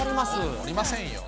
盛りませんよ。